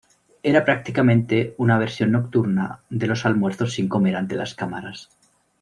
Era prácticamente una versión nocturna de los almuerzos sin comer ante las cámaras.